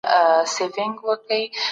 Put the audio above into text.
توازن د سالم اقتصاد نښه ده.